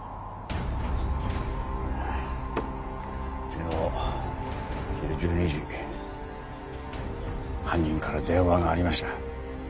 昨日昼１２時犯人から電話がありました。